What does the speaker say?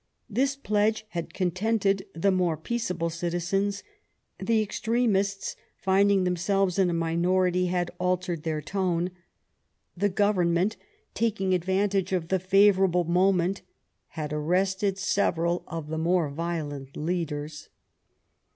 This pledge had contented the more peaceable citizens. The extremists, finding themselves in a minority, had altered their tone. The Government, taking advantage of the favourable moment, had arrested several of the more violent leaders.